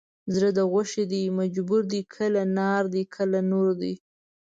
زړه د غوښې دی مجبور دی کله نار دی کله نور دی